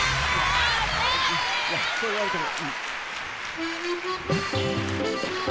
いやそう言われても。